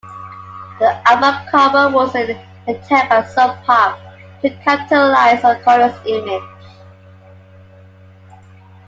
The album cover was an attempt by Sub Pop to capitalize on Cornell's image.